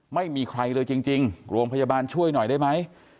ไม่มีใครเลยจริงโรงพยาบาลช่วยหน่อยได้ไหม